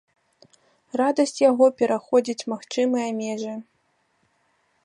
Радасць яго пераходзіць магчымыя межы.